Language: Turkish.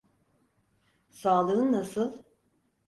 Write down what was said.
Sağlığın nasıl?